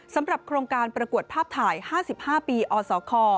สำหรับโครงการประกวดภาพถ่าย๕๕ปีอสค